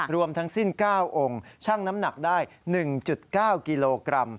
รวมทั้งสิ้น๙องค์ชั่งน้ำหนักได้๑๙กิโลกรัม